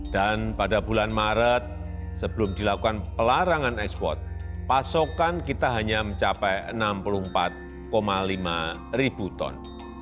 dan pada bulan maret sebelum dilakukan pelarangan ekspor pasokan kita hanya mencapai enam puluh empat lima ribu ton